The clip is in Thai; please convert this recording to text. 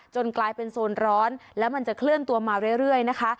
กลายเป็นโซนร้อนแล้วมันจะเคลื่อนตัวมาเรื่อยนะคะ